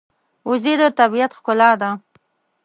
وزې د طبیعت ښکلا ده